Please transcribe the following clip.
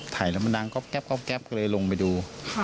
ถ่ายแล้วมันดังก๊อบก็เลยลงไปดู